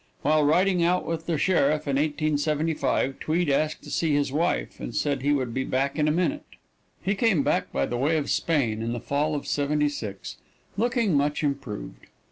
While riding out with the sheriff, in 1875, Tweed asked to see his wife, and said he would be back in a minute. He came back by way of Spain, in the fall of '76, looking much improved.